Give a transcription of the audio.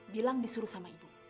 bilang disuruh sama ibu